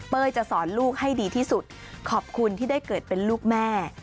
จะสอนลูกให้ดีที่สุดขอบคุณที่ได้เกิดเป็นลูกแม่